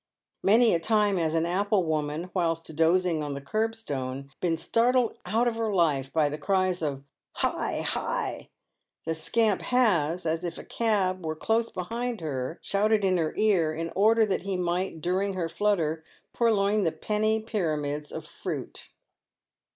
Many a time has an apple woman, whilst dozing on the kerb stone, been startled out of her life by the cries of " Hi ! hi !" the scamp has — as PAVED WITH GOLD. 99 if a cab were close behind her — shouted in her ear, in order that he might, during her flutter, purloin the penny pyramids of fruit.